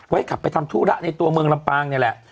ขับไปทำธุระในตัวเมืองลำปางนี่แหละ